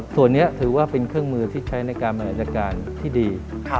ส่วนนี้ถือว่าเป็นเครื่องมือที่ใช้ในการบริหารจัดการที่ดี